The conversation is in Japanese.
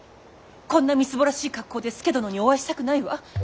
こんなみすぼらしい格好で佐殿にお会いしたくないわ。